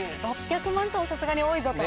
６００万ｔはさすがに多いぞと。